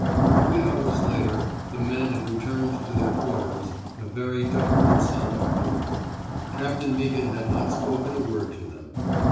Three hours later, the men had returned to their quarters, a very dark and solemn crew. Captain Meaghan had not spoken a word to them.